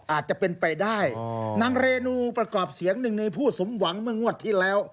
อาจจะเป็นไปได้นางเรนูประกอบเสียงหนึ่งในผู้สมหวังเมื่องวดที่แล้ว